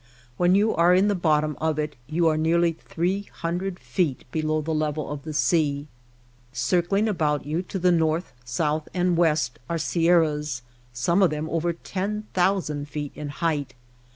When you are in the bottom of it you are nearly three hundred feet below the level of the sea. Cir cling about you to the north, south, and west are sierras, some of them over ten thousand feet in height.